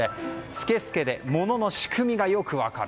スケスケで物の仕組みがよく分かる。